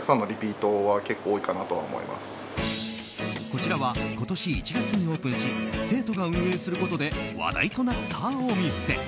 こちらは今年１月にオープンし生徒が運営することで話題となったお店。